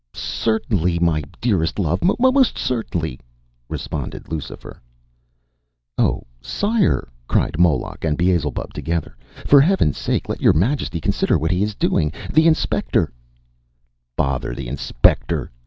” “Certainly, my dearest love, most certainly,” responded Lucifer. “Oh, Sire,” cried Moloch and Beelzebub together, “for Heaven’s sake let your Majesty consider what he is doing. The Inspector ” “Bother the Inspector!